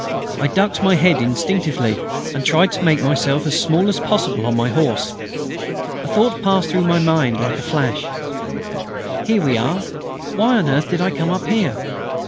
I ducked my head instinctively and tried to make myself as small as possible on my horse. A thought passed through my mind like a flash: "Here we are! Why on earth did I come up here?